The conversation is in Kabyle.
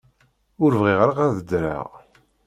Ur bɣiɣ ara ad ddreɣ.